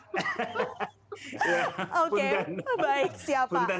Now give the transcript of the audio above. oke baik siapa